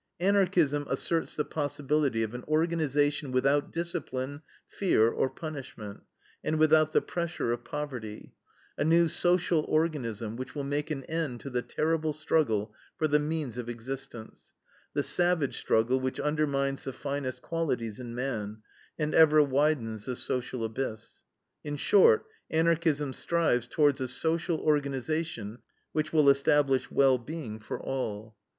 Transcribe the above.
"Anarchism asserts the possibility of an organization without discipline, fear, or punishment, and without the pressure of poverty: a new social organism which will make an end to the terrible struggle for the means of existence, the savage struggle which undermines the finest qualities in man, and ever widens the social abyss. In short, Anarchism strives towards a social organization which will establish well being for all.